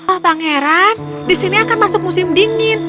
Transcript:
oh pangeran disini akan masuk musim dingin